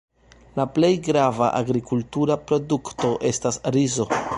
La plej grava agrikultura produkto estas rizo.